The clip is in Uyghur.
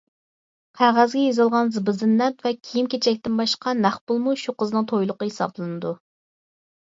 قەغەزگە يېزىلغان زىبۇ-زىننەت ۋە كىيىم-كېچەكتىن باشقا، نەق پۇلمۇ شۇ قىزنىڭ تويلۇقى ھېسابلىنىدۇ.